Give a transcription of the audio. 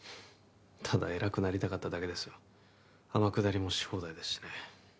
ただ偉くなりたかっただけですよ天下りもし放題ですしね